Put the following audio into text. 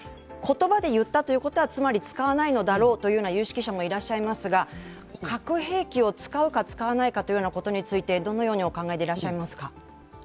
言葉で言ったということは、つまり使わないのだろうとおっしゃる有識者もいらっしゃいますが核兵器を使うか使わないかということについてどのようにお考えでいらっしゃいますか？